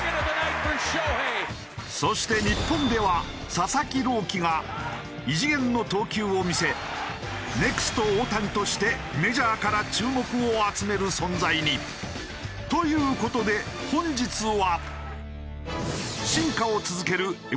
そして日本では佐々木朗希が異次元の投球を見せネクスト大谷としてメジャーから注目を集める存在に。という事で本日は。